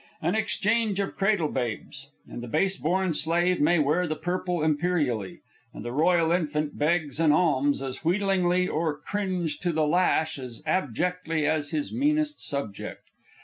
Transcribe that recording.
An exchange of cradle babes, and the base born slave may wear the purple imperially, and the royal infant begs an alms as wheedlingly or cringe to the lash as abjectly as his meanest subject.